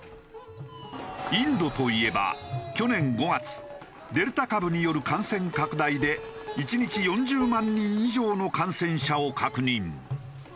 インドといえば去年５月デルタ株による感染拡大で１日４０万人以上の感染者を確認。